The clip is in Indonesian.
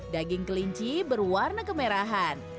daging kelinci berwarna kemerahan